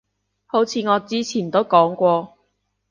好似我之前都講過